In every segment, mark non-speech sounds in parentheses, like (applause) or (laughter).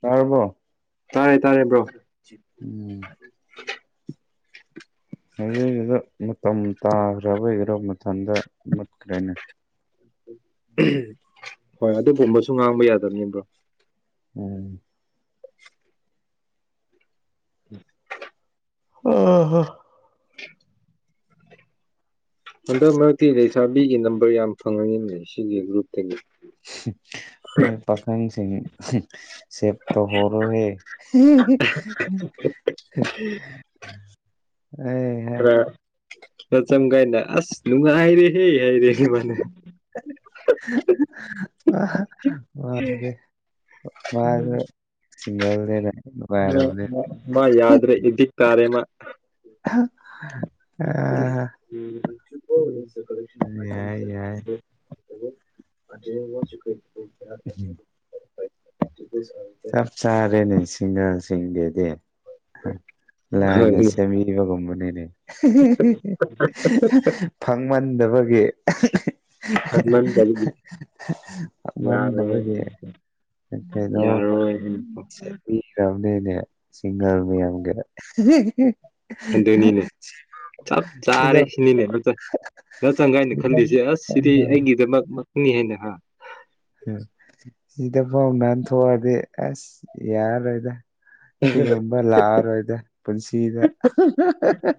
ꯇꯥꯔꯕꯣ ꯇꯥꯔꯦ ꯇꯥꯔꯦ ꯕ꯭ꯔꯣ ꯎꯝ (inaudible) ꯅꯣꯡ ꯇꯥꯒ꯭ꯔꯕꯩꯔ ꯃꯇꯝꯗ ꯃꯨꯠꯈ꯭ꯔꯦꯅꯦ ꯍꯣꯏ ꯑꯗꯨꯒꯨꯝꯕꯁꯨ ꯉꯥꯡꯕ ꯌꯥꯗꯕꯅꯦ ꯕ꯭ꯔꯣ ꯎꯝ (inaudible) ꯑ ꯍꯥ ꯍꯟꯗꯛ ꯃꯔꯛꯇꯤ ꯂꯩꯁꯥꯕꯤꯒꯤ ꯅꯝꯕꯔ ꯌꯥꯝ ꯐꯪꯉꯏꯅꯦ ꯁꯤꯒꯤ ꯒ꯭ꯔꯨꯞꯇꯒꯤ ꯍꯝ ꯅꯣꯏ ꯄꯥꯈꯪꯁꯤꯡ ꯁꯦꯞꯇꯧ ꯇꯧꯍꯧꯔꯣꯍꯦ ꯍꯤ ꯑꯦ ꯍꯩ ꯍꯥ ꯆ ꯆꯝ ꯒꯥꯏꯅ ꯑꯁ ꯅꯨꯡꯉꯥꯏꯔꯦꯍꯦ ꯍꯥꯏꯔꯦ ꯃꯥꯅ ꯑꯥ ꯃꯥꯟꯅꯗꯦ ꯃꯥꯟꯅ ꯁꯤꯡꯒꯜꯅꯦꯅ ꯃꯥ ꯅꯨꯉꯥꯏꯔꯕꯅꯦ ꯃꯥ ꯃꯥ ꯍꯦ ꯌꯥꯗ꯭ꯔꯦ ꯑꯦꯗꯤꯛ ꯇꯥꯔꯦ ꯃꯥ ꯑꯍꯥ (unintelligible) ꯌꯥꯏ ꯌꯥꯏ (unintelligible) ꯎꯍꯨꯝ (unintelligible) ꯆꯥꯞ ꯆꯥꯔꯦꯅꯦ ꯁꯤꯡꯒꯥꯜꯁꯤꯡꯗꯤ ꯑꯦ ꯍ ꯂꯥꯏꯅ ꯍꯣꯏ ꯁꯦꯝꯕꯤꯕꯒꯨꯝꯕꯅꯤꯅꯦ ꯍꯦ ꯍꯦ ꯍꯦ ꯐꯪꯃꯟꯗꯕꯒꯤ ꯑꯍꯦ ꯍꯦ ꯐꯪꯃꯟꯗꯕꯒꯤ ꯐꯪꯃꯟꯗꯕꯒꯤ ꯀꯩꯩꯅꯣ ꯌꯥꯔꯣꯏ ꯁꯦꯝꯕꯤꯒ꯭ꯔꯝꯅꯤꯅꯦ ꯁꯤꯡꯒꯥꯜ ꯃꯌꯥꯝꯒꯤꯗ ꯍꯦ ꯍꯦ ꯑꯗꯨꯅꯤꯅꯦ (unintelligible) ꯆꯞ ꯆꯥꯔꯦ ꯁꯤꯅꯤꯅꯦ ꯅꯠꯇꯦ ꯅ ꯆꯪꯒꯥꯏꯅ ꯐꯤꯂꯝ ꯈꯜꯂꯤꯁꯦ ꯑꯁ ꯁꯤꯗꯤ ꯑꯃ- ꯑꯩꯒꯤꯗꯃꯛ ꯅꯤ ꯍꯥꯏꯅ ꯍꯥ ꯍ ꯁꯤꯗꯐꯥꯎ ꯅꯥꯟꯊꯣꯛꯑꯗꯤ ꯑꯁ ꯌꯥꯔꯔꯣꯏꯗꯥ ꯁꯤꯒꯨꯝꯕ ꯂꯥꯛꯑꯔꯣꯏꯗꯥ ꯄꯨꯟꯁꯤꯗ ꯍ ꯍ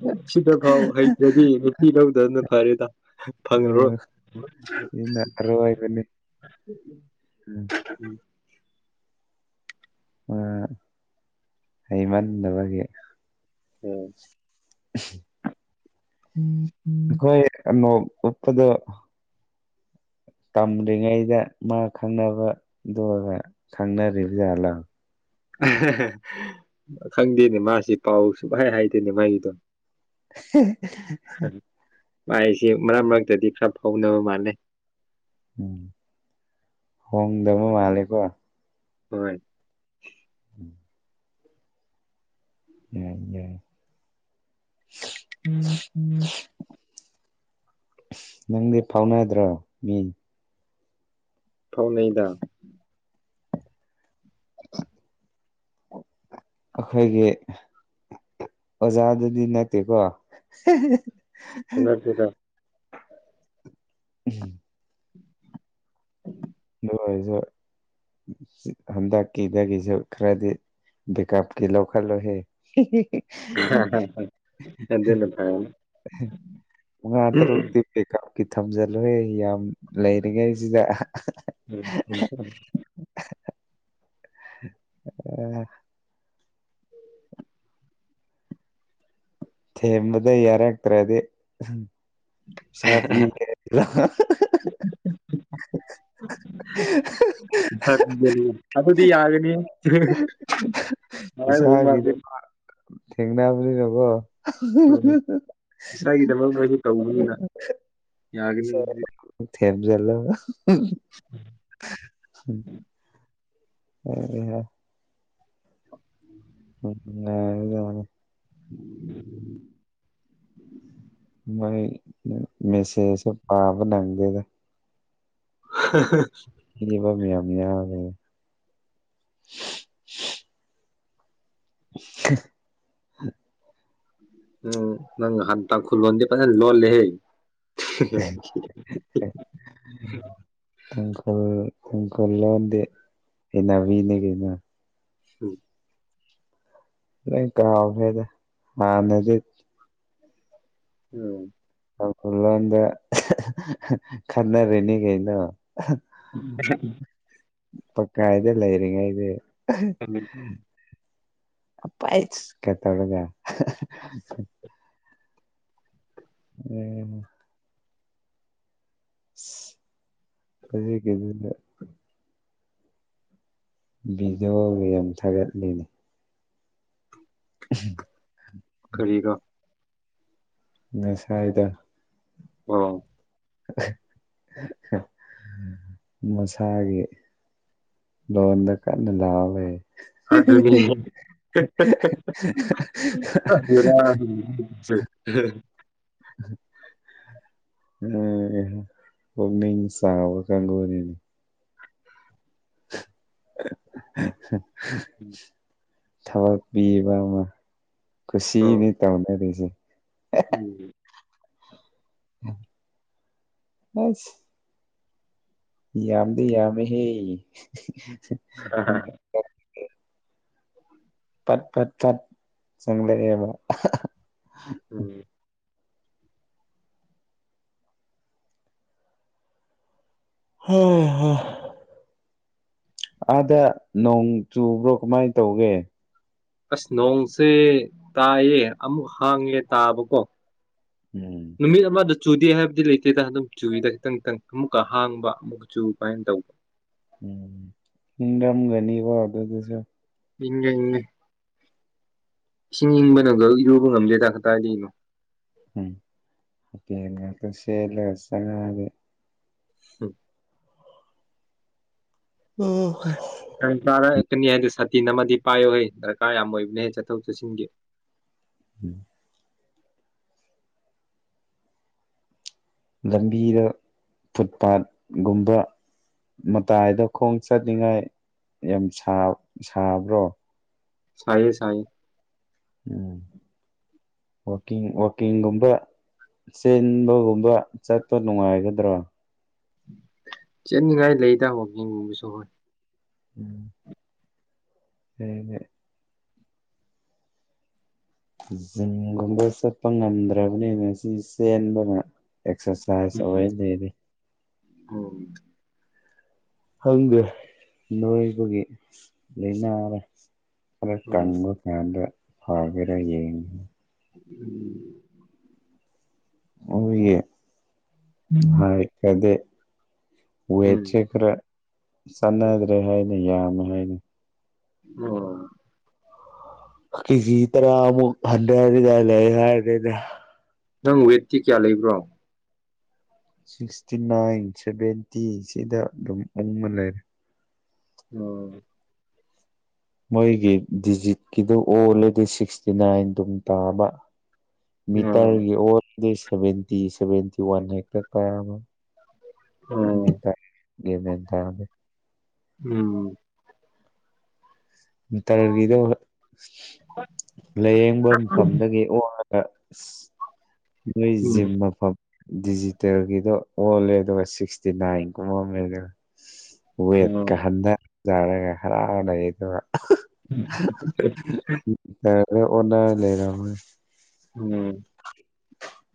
ꯍ ꯗꯨꯗꯤ ꯅꯨꯄꯤ ꯂꯧꯗꯅꯕ ꯐꯔꯦ ꯏꯇꯥꯎ ꯐꯪꯉ꯭ꯔꯣ ꯎꯝ, ꯁꯤꯅ ꯑꯔꯣꯏꯕꯅꯤ ꯎꯝ ꯃꯥꯠ ꯍꯩꯃꯟꯗꯕꯒꯤ ꯎꯝ ꯑꯁ ꯎꯝ ꯑꯈꯣꯏ ꯑꯅꯣꯛ ꯎꯞꯄꯗꯣ ꯇꯝꯗ꯭ꯔꯤꯉꯩꯗ ꯃꯥ ꯈꯪꯅꯕ ꯗꯨꯒ ꯈꯪꯅꯔꯤꯕ ꯖꯥꯠꯂ ꯑꯍ ꯍ ꯈꯪꯗꯦꯅꯦ ꯃꯥꯁꯤ ꯄꯥꯎ ꯁꯨꯡꯍꯥꯏ ꯍꯥꯏꯗꯦꯅꯦ ꯃꯥꯒꯤꯗꯣ ꯍꯦ ꯍꯦ ꯍꯦ ꯃꯥꯏꯁꯤ ꯃꯔꯛ ꯃꯔꯛꯇꯗꯤ ꯈꯔ ꯐꯥꯎꯅꯕ ꯃꯥꯜꯂꯦ ꯎꯝ ꯍꯣꯡꯗꯕ ꯃꯥꯜꯂꯤꯀꯣ ꯍꯣꯏ ꯌꯥꯏ ꯌꯥꯏ ꯑꯁ ꯅꯪꯗꯤ ꯐꯥꯎꯅꯗ꯭ꯔꯣ ꯃꯤ ꯐꯥꯎꯅꯩꯗꯥ ꯑꯈꯣꯏꯒꯤ ꯑꯣꯖꯥꯗꯨꯗꯤ ꯅꯠꯇꯦꯀꯣ ꯍꯦ ꯍꯦ ꯅꯠꯇꯦꯗꯥ ꯏꯍꯤ (inaudible) ꯑꯣꯏꯖꯨ ꯖꯤꯛ ꯍꯟꯗꯛꯀꯤꯗꯒꯤꯖꯨ ꯈꯔꯗꯤ ꯕꯦꯀꯞ ꯀꯤ ꯂꯧꯈꯠꯂꯣ ꯍꯦ ꯍꯤ ꯍꯤ ꯍꯦ ꯍꯦ ꯍꯦ ꯍꯤ ꯑꯗꯨꯅ ꯐꯔꯅꯤ ꯍꯤ ꯃꯉꯥ ꯇꯔꯨꯛꯇꯤ ꯕꯦꯀꯞꯀꯤ ꯊꯝꯖꯤꯜꯂꯨꯍꯦ ꯌꯥꯝ ꯂꯩꯔꯤꯉꯩꯖꯤꯗꯥ ꯑꯍꯥ ꯍꯥ ꯎꯝ ꯎꯝ ꯑꯥ ꯊꯦꯝꯕꯗ ꯌꯥꯔꯛꯇ꯭ꯔꯗꯤ ꯑꯍꯝ ꯁꯥꯕꯤꯒꯦ ꯂꯥꯏ (unintelligible) ꯐꯪꯗꯔꯤ ꯑꯗꯨꯗꯤ ꯌꯥꯒꯅꯤꯍꯦ ꯍ ꯍ ꯏꯁꯥꯒꯤꯗꯣ ꯃꯥ ꯊꯦꯡꯅꯥꯕꯅꯤꯅ ꯅꯀꯣ ꯏꯁꯥꯒꯤꯗꯃꯛ ꯅꯣꯏꯁꯨ ꯇꯧꯕꯅꯤꯅ ꯌꯥꯒꯅꯤ ꯑꯗꯨꯗꯤ (unintelligible) ꯊꯦꯡ ꯌꯦꯜꯂꯣꯒ ꯃꯥꯟꯅꯤ ꯍꯥ (inaudible) ꯅꯨꯡꯉꯥꯏꯕꯅ ꯂꯣꯔꯦ (inaudible) ꯃꯣꯏ ꯃꯦꯁꯦꯁꯇꯣ ꯄꯥꯕ ꯅꯪꯗꯦꯗ ꯍ ꯍ ꯍ ꯏꯕ ꯃꯌꯥꯝ ꯌꯥꯝꯃꯤ ꯍꯤ ꯎꯝ ꯅꯪ ꯅꯍꯥꯟ ꯇꯥꯡꯈꯨꯟꯂꯣꯟꯗꯤ ꯐꯖ ꯂꯣꯜꯂꯦꯍꯦ ꯍꯦ ꯍꯦ ꯍꯦ ꯍꯦ ꯇꯥꯡꯈꯨꯜ (unintelligible) ꯂꯣꯟꯗꯤ ꯍꯩꯅꯕꯤꯅꯦ ꯀꯩꯅꯣ ꯍꯨꯝ ꯂꯣꯏ ꯀꯥꯎꯒ꯭ꯔꯦꯗꯥ ꯍꯥꯟꯅꯗꯤ ꯎꯝ ꯇꯥꯡꯈꯨꯜ ꯂꯣꯟꯗ ꯑꯍꯦ ꯍꯦ ꯈꯟꯅꯔꯤꯅꯤ ꯀꯩꯅꯣ ꯑꯍ (unintelligible) ꯗ ꯂꯩꯔꯤꯉꯩꯗꯤ ꯑꯍꯍ ꯑꯄꯥꯏꯆ ꯀ ꯇꯧꯔꯒ ꯎꯝ ꯁꯤꯁ ꯍꯧꯖꯤꯛꯇꯤ ꯑꯗꯨꯝꯅ ꯚꯤꯗꯤꯑꯣꯒ ꯌꯥꯝ ꯊꯥꯒꯠꯂꯦꯅꯦ ꯑꯍ ꯀꯔꯤꯔ ꯉꯁꯥꯏꯗ ꯑꯣ (unintelligible) ꯃꯁꯥꯒꯤ ꯂꯣꯟꯗ ꯀꯟꯅ ꯂꯥꯎꯌꯦ ꯍꯤ ꯍꯤ ꯍꯤ ꯑꯗꯨꯅꯤ ꯍ ꯍꯤ ꯍ ꯍꯤ ꯍ ꯍꯤ (inaudible) ꯎꯝ ꯄꯨꯛꯅꯤꯡ ꯆꯥꯎꯕ ꯀꯪꯒꯨꯅꯤꯅꯦ (inaudible) ꯎꯝ ꯊꯕꯛ ꯄꯤꯕ ꯑꯃ ꯑꯣ ꯀꯨꯁꯤꯅꯤ ꯇꯧꯅꯔꯤꯁꯦ ꯎꯝ ꯍꯩꯁ ꯌꯥꯝꯗꯤ ꯌꯥꯝꯃꯤꯍꯦ ꯄꯠ ꯄꯠ ꯄꯠ ꯆꯪꯂꯦꯕ ꯎꯝ ꯍꯥ ꯍꯥ ꯑꯥꯗ ꯅꯣꯡ ꯆꯨꯕ꯭ꯔꯣ ꯀꯃꯥꯏꯅ ꯇꯧꯒꯦ ꯑꯁ ꯅꯣꯡꯁꯦ ꯇꯥꯏꯌꯦ ꯑꯃꯨꯛ ꯍꯥꯡꯉꯦ ꯇꯥꯕꯀꯣ ꯎꯝ ꯅꯨꯃꯤꯠ ꯑꯃꯗ ꯆꯨꯗꯦ ꯍꯥꯏꯕꯗꯤ ꯂꯩꯇꯦꯗ ꯑꯗꯨꯝ ꯆꯨꯏꯗ ꯈꯤꯇꯪ ꯈꯤꯇꯪ ꯑꯃꯨꯛꯀ ꯍꯥꯡꯕ ꯑꯃꯨꯛꯀ ꯆꯨꯕ ꯗꯥꯏꯅ ꯇꯧꯕ ꯎꯝ ꯏꯪꯉꯝꯒꯅꯤꯕꯣ ꯑꯗꯨꯗꯁꯨ ꯏꯪꯉꯦ ꯏꯪꯉꯦ ꯏꯁꯤꯡ ꯏꯪꯕꯅꯗ ꯏꯔꯨꯕ ꯉꯝꯗꯦ ꯇꯥ ꯀꯗꯥꯏꯗꯩꯅꯣ ꯎꯝ (unintelligible) ꯆꯪꯉꯛ ꯑꯗꯤ ꯍꯝ ꯑꯥ ꯍ ꯏꯪꯉꯦ ꯍꯥꯏꯗꯣ ꯁꯇꯤꯟ ꯑꯃꯗꯤ ꯄꯥꯏꯌꯣꯍꯦ ꯗ꯭ꯔꯀꯥꯔ ꯌꯥꯝ ꯑꯣꯏꯕꯅꯦ ꯆꯠꯊꯣꯛ ꯆꯠꯁꯤꯟꯒꯤ ꯎꯝ ꯂꯝꯕꯤꯗ ꯐꯨꯠ ꯄꯥꯠꯒꯨꯝꯕ ꯃꯇꯥꯏꯗ ꯈꯣꯡ ꯆꯠꯅꯤꯡꯉꯥꯏ ꯌꯥꯝ ꯁꯥꯕ꯭ꯔꯣ ꯁꯥꯏꯌꯦ ꯁꯥꯏꯌꯦ ꯎꯝ ꯋꯥꯀꯤꯡ ꯋꯥ ꯀꯤꯡꯒꯨꯝꯕ ꯆꯦꯟꯕꯒꯨꯝꯕ ꯆꯠꯄ ꯅꯨꯡꯉꯥꯏꯒꯗ꯭ꯔꯥ ꯆꯦꯟꯅꯤꯡꯉꯥꯏ ꯂꯩ ꯗ ꯋꯥꯀꯤꯡꯒꯨꯝꯕꯁꯨ ꯍꯣꯏ ꯎꯝ ꯐꯩꯌꯦꯅꯦ ꯖꯤꯝꯒꯨꯝꯕ ꯆꯠꯄ ꯉꯝꯗ꯭ꯔꯕꯅꯤꯅ ꯁꯤ ꯆꯦꯟꯕꯅ ꯑꯦꯛꯁꯔꯁꯥꯏꯁ ꯎꯝ ꯑꯣꯏ ꯂꯩꯔꯦ ꯎꯝ ꯈꯪꯗꯦ ꯅꯣꯏꯕꯒꯤ ꯂꯩꯟꯅꯔ ꯈꯥꯔ ꯎꯝ ꯑꯣ ꯀꯪꯕ ꯀꯪꯗ ꯐꯒꯦꯔ ꯌꯦꯡꯂꯒꯦ (inaudible) (unintelligible) ꯎꯝ ꯍꯥꯏ (unintelligible) ꯎꯝ ꯎꯝ ꯋꯦꯠꯆꯦ ꯈꯥꯔ ꯆꯥꯟꯅꯗ꯭ꯔꯦ ꯍꯥꯏꯅꯦ ꯌꯥꯝꯃꯦ ꯍꯥꯏꯅꯦ ꯑꯣ ꯀꯤꯖꯤ ꯇꯔꯥꯃꯨꯛ ꯍꯟꯗꯅꯤꯡꯉꯥꯏ ꯂꯩ ꯍꯥꯏꯅꯦ ꯅꯪ ꯋꯦꯠꯇꯤ ꯀꯌꯥ ꯂꯩꯕ꯭ꯔꯣ ꯁꯤꯛꯁꯇꯤ ꯅꯥꯏꯟ ꯁꯚꯦꯟꯇꯤ ꯁꯤꯗ ꯑꯗꯨꯝ ꯎꯪꯉ ꯂꯩꯔꯦ ꯎꯝ ꯃꯣꯏꯒꯤ ꯗꯤꯖꯤꯠꯀꯤꯗꯨ ꯑꯣꯜꯂꯗꯤ ꯁꯤꯛꯁꯇꯤ ꯅꯥꯏꯟ ꯑꯗꯨꯝ ꯇꯥꯕ ꯑꯣ ꯃꯤꯇ꯭ꯔꯒꯤ ꯑꯣꯟꯕꯗꯤ ꯁꯚꯦꯟꯇꯤ ꯁꯚꯦꯟꯇꯤ ꯋꯥꯟ ꯍꯦꯛꯇ ꯇꯥꯔꯝꯃꯦ ꯑꯣ (unintelligible) ꯎꯝ ꯃꯤꯇ꯭ꯔꯒꯤꯗꯣ ꯂꯥꯏꯌꯦꯡꯕ ꯃꯐꯝꯗꯒꯤ ꯑꯣ ꯇ ꯑꯁ ꯎꯝ ꯅꯣꯏꯖꯤꯝ ꯃꯐꯝ ꯗꯤꯖꯤꯇꯦꯜꯒꯤꯗꯣ ꯑꯣꯜꯂꯦ ꯑꯗꯨꯒ ꯁꯤꯛꯁꯇꯤ ꯅꯥꯏꯟꯒꯨꯝꯕ ꯑꯃ (unintelligible) ꯑꯣ ꯋꯦꯠꯀ ꯍꯟꯊꯖꯥꯔꯒ ꯍꯔꯥꯎꯔ ꯂꯩ ꯑꯗꯨꯒ (inaudible) ꯂꯣꯏ ꯑꯣꯟꯅ ꯂꯩꯔꯝꯔꯦ ꯎꯝ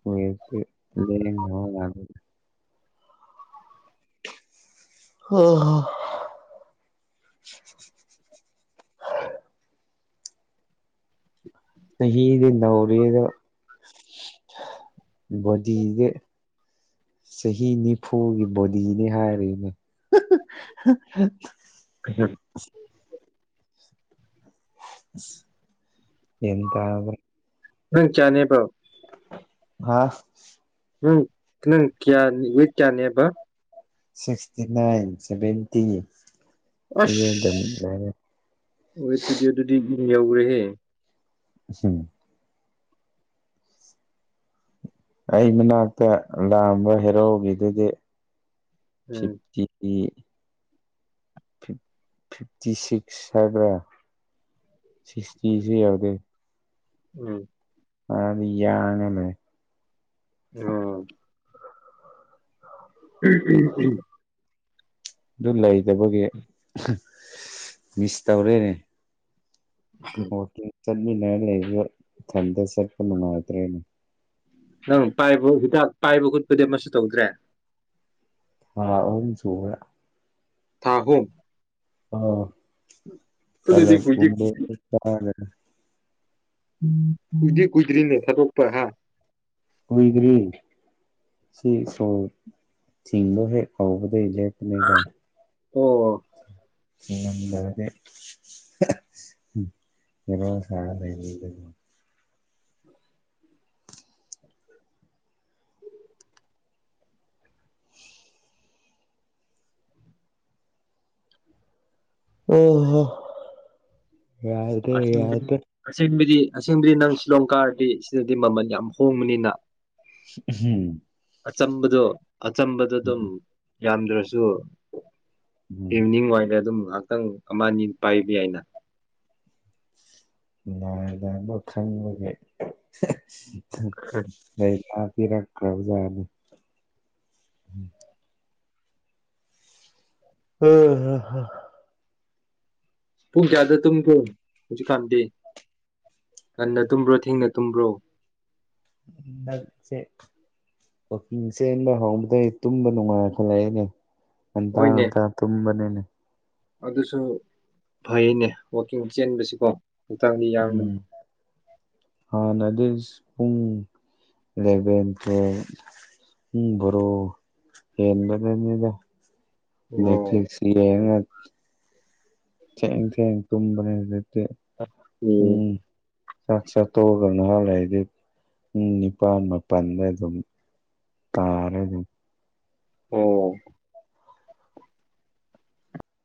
ꯍꯧꯖꯤꯛꯇꯤ ꯂꯦꯡ (unintelligible) ꯍꯥ ꯍ ꯆꯍꯤꯗꯤ ꯅꯧꯔꯤꯗꯣ ꯕꯣꯗꯤꯗꯤ ꯆꯍꯤ ꯅꯤꯐꯨꯒꯤ ꯕꯣꯗꯤꯅꯤ ꯍꯥꯏꯔꯤꯅꯦ ꯍꯥꯍꯍ (inaudible) ꯒ꯭ꯌꯥꯟ ꯇꯥꯔꯕꯣ ꯅꯪ ꯀꯥꯌꯅꯦꯕ꯭ꯔꯣ ꯍꯥ ꯎꯝ ꯅꯪ ꯀꯌꯥ ꯋꯦꯠ ꯀꯌꯥꯅꯦꯕ ꯁꯤꯛꯁꯇꯤ ꯅꯥꯏꯟ ꯁꯚꯦꯟꯇꯤ ꯁꯤꯗ ꯑꯗꯨꯝ ꯂꯩꯔꯦ ꯑꯁ ꯋꯦꯠꯇꯨꯗꯤ ꯑꯗꯨꯗꯤ ꯌꯧꯔꯦꯍꯦ ꯎꯍꯝ ꯑꯩ ꯃꯅꯥꯛꯇ ꯂꯥꯛꯑꯝꯕ ꯍꯦꯔꯣꯒꯤꯗꯨꯗꯤ ꯎꯝ ꯐꯤꯞꯇꯤ ꯐꯤꯞ ꯐꯤꯞꯇꯤ ꯁꯤꯛꯁ ꯍꯥꯏꯕ꯭ꯔꯥ ꯁꯤꯁꯇꯤꯖꯦ ꯌꯧꯗꯦ ꯎꯝ ꯐꯅꯗꯤ ꯌꯥꯡꯉꯦꯅꯦ ꯎꯝ ꯎꯝ ꯎꯝ ꯎꯝ ꯑꯗꯨ ꯂꯩꯗꯕꯒꯤ ꯃꯤꯁ ꯇꯧꯔꯦꯅꯦ ꯋꯥꯀꯤꯡ ꯆꯠꯃꯤꯟꯅꯔ ꯂꯩꯕꯗꯣ ꯏꯊꯟꯗ ꯆꯠꯄ ꯅꯨꯡꯉꯥꯏꯇ꯭ꯔꯦꯅꯦ ꯅꯪ ꯄꯥꯏꯕ ꯍꯤꯗꯥꯛ ꯄꯥꯏꯕ ꯈꯠꯄꯗꯤ ꯑꯃꯁꯨ ꯇꯧꯗ꯭ꯔꯦ ꯊꯥ ꯑꯍꯨꯝ ꯁꯨꯒ꯭ꯔꯦ ꯊꯥ ꯍꯨꯝ ꯑꯥ ꯑꯗꯨꯗꯤ ꯀꯨꯏꯗꯤ (unintelligible) ꯀꯨꯏꯗꯤ ꯀꯨꯗ꯭ꯔꯤꯅꯦ ꯊꯗꯣꯛꯄ ꯍꯥꯥ ꯀꯨꯢꯗ꯭ꯔꯤ ꯁꯤ ꯁꯣ ꯊꯤꯡꯕ ꯍꯦꯛ ꯍꯧꯕꯗꯩ ꯂꯦ ꯑꯣ (unintelligible) ꯍꯦꯔꯣ ꯁꯥꯔ ꯂꯩꯅꯤꯡꯗꯅ ꯑꯣ ꯍꯣ ꯌꯥꯗ꯭ꯔꯦ ꯑꯁꯦꯡꯕꯅꯦ ꯌꯥꯗ꯭ꯔꯦ ꯑꯁꯦꯡꯕꯩꯗꯤ ꯑꯁꯦꯡꯕꯗꯤ ꯅꯪ ꯁꯤꯂꯣꯡ ꯀꯥꯔꯗꯤ ꯁꯤꯗꯗꯤ ꯃꯃꯜ ꯌꯥꯝ ꯍꯣꯡꯕꯅꯤꯅ ꯍꯝ ꯑꯆꯝꯕꯗꯣ ꯑꯆꯝꯕꯗꯣ ꯑꯗꯨꯝ ꯌꯥꯝꯗ꯭ꯔꯁꯨ ꯎꯝ ꯏꯚꯅꯤꯡ ꯋꯥꯏꯗ ꯑꯗꯨꯝ ꯉꯥꯏꯍꯥꯛꯇꯪ ꯑꯃ ꯑꯅꯤ ꯄꯥꯏꯕ ꯌꯥꯏꯅ ꯌꯥꯢꯗ ꯑꯗꯣ ꯈꯪꯕꯒꯤ ꯍꯥ ꯍ ꯂꯩꯅ ꯄꯤꯔꯛꯈ꯭ꯔꯕꯖꯥꯠꯅꯤ ꯑꯣ ꯍ ꯍ ꯄꯨꯡ ꯀꯌꯥꯗ ꯇꯨꯝꯒꯦ ꯍꯧꯖꯤꯛꯀꯥꯟꯗꯤ ꯉꯟꯅ ꯇꯨꯝꯕ꯭ꯔꯣ ꯊꯦꯡꯅ ꯇꯨꯝꯕ꯭ꯔꯣ ꯍꯟꯗꯛꯁꯦ ꯋꯥꯀꯤꯡ ꯆꯦꯟꯕ ꯍꯧꯕꯗꯩ ꯇꯨꯝꯕ ꯅꯨꯡꯉꯥꯏ ꯈꯜꯂꯛꯑꯦꯅꯦ ꯉꯟꯇꯥ ꯍꯣꯏꯅꯦ ꯉꯟꯇꯥ ꯇꯨꯝꯕꯅꯤꯅꯦ ꯑꯗꯨꯁꯨ ꯐꯩꯅꯦ ꯋꯥꯛꯀꯤꯡ ꯆꯦꯟꯕꯁꯤꯀꯣ ꯍꯛꯆꯥꯡꯗꯤ ꯌꯥꯡꯕꯅꯤ ꯎꯝ ꯍꯥꯟꯅꯗꯤ ꯏꯁ ꯄꯨꯡ ꯂꯦꯚꯦꯟ ꯇꯣ ꯄꯨꯡ ꯕꯥꯔꯣ ꯌꯦꯟꯕꯅꯅꯤꯗ ꯑꯣ ꯅꯦꯠꯐ꯭ꯂꯤꯛꯁꯀꯤꯌꯦꯡꯉ ꯊꯦꯡ ꯊꯦꯡ ꯇꯨꯝꯕꯅꯦ ꯍꯧꯖꯤꯛꯇꯤ ꯎꯝ ꯆꯥꯛ ꯆꯥ ꯇꯣꯛꯑꯒ ꯈꯍꯥꯥꯛ ꯂꯩꯗꯤ ꯄꯨꯡ ꯅꯤꯄꯥꯜ ꯃꯥꯄꯜꯗ ꯑꯗꯋꯥꯏꯗ ꯗꯨꯝ ꯇꯥꯔꯦ ꯑꯗꯨꯝ ꯑꯣ